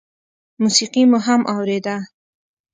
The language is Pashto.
موسيقي مو هم اورېده.